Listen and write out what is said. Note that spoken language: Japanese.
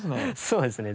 そうですね。